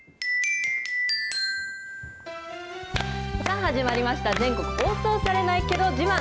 さあ、始まりました、全国放送されないけど自慢。